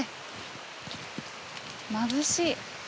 まぶしい。